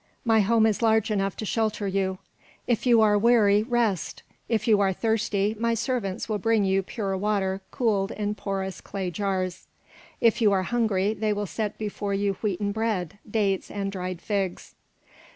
My home is large enough to shelter you. If you are weary, rest; if you are thirsty, my servants will bring you pure water cooled in porous clay jars; if you are hungry, they will set before you wheaten bread, dates, and dried figs."